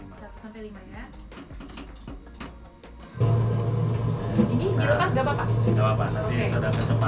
ini dilepas gak apa apa